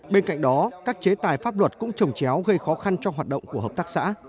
bên cạnh đó các chế tài pháp luật cũng trồng chéo gây khó khăn cho hoạt động của hợp tác xã